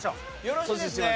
よろしいですね？